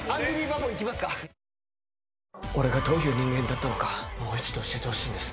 俺がどういう人間だったのかもう一度、教えてほしいんです。